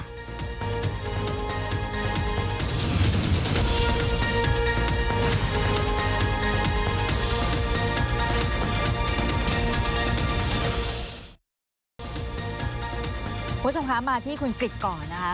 คุณผู้ชมคะมาที่คุณกริจก่อนนะคะ